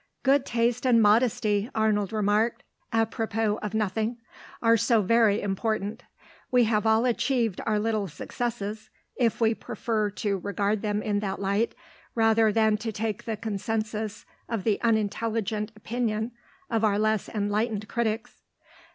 "Good taste and modesty," Arnold remarked, à propos of nothing, "are so very important. We have all achieved our little successes (if we prefer to regard them in that light, rather than to take the consensus of the unintelligent opinion of our less enlightened critics).